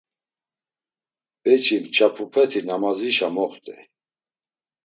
Beçi mç̌apupeti namazişa moxt̆ey!